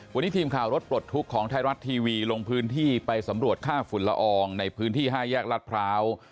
วันนี้ทีมข่าวรถปลดทุกข์ของไทยรัฐทีวีลงพื้นที่ไปสำรวจค่าฝุ่นละอองในพื้นที่๕แยกรัฐพร้าว